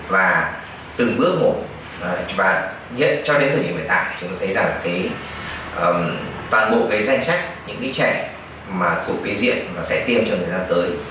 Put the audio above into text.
và từng bước một cho đến thời điểm hiện tại chúng ta thấy rằng toàn bộ cái danh sách những cái trẻ mà thuộc cái diện sẽ tiêm cho người ta tới